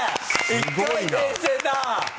すごいね。